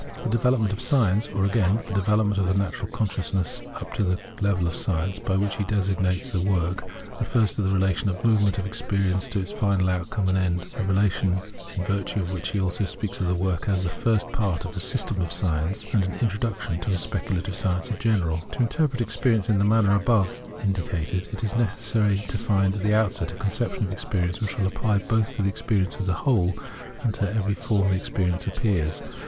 " The development of Science," or again, the " development of the natural consciousness up to the level of science," by which he designates xvi Translator's Introduction \ the work, refers to the relation of the movement of experience to its final outcome and end — a relation iix virtue of which he also speaks of the work as a " firs'o part " of a " System of Science," and as an " introl duction " to Speculative Science in general. I To interpret experience in the manner above in dicated, it is necessary to find at the outset a conception of experience which will apply both to experience as a whole and to every form in which experience appears.